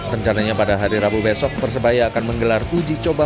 rencananya pada hari rabu besok persebaya akan menggelar uji coba